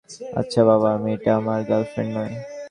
আচ্ছা, বাবা, মেয়েটা আমার গার্লফ্রেন্ড নয়!